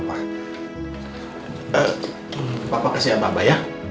papa kasih amat amat ya